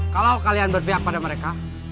kalau kalian berpihak pada mereka